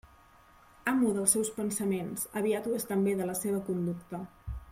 Amo dels seus pensaments, aviat ho és també de la seva conducta.